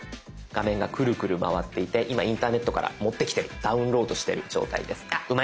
画面がクルクル回っていて今インターネットから持ってきてるダウンロードしてる状態です。